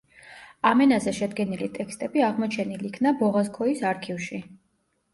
ამ ენაზე შედგენილი ტექსტები აღმოჩენილ იქნა ბოღაზქოის არქივში.